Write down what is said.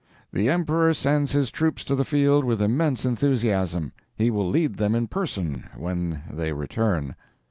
The Emperor sends his troops to the field with immense enthusiasm. He will lead them in person, when they return.